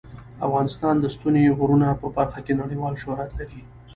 افغانستان د ستوني غرونه په برخه کې نړیوال شهرت لري.